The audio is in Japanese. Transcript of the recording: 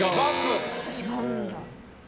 違うんだ。